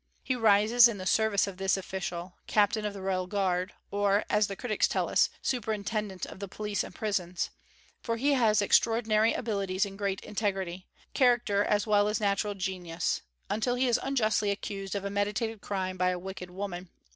He rises in the service of this official, captain of the royal guard, or, as the critics tell us, superintendent of the police and prisons, for he has extraordinary abilities and great integrity, character as well as natural genius, until he is unjustly accused of a meditated crime by a wicked woman.